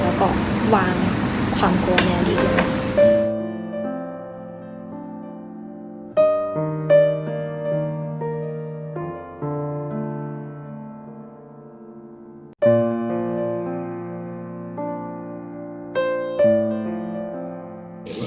แล้วก็วางความกลัวในอดีต